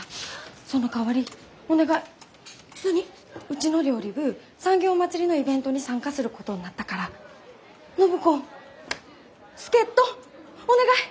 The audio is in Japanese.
うちの料理部産業まつりのイベントに参加することになったから暢子助っ人お願い！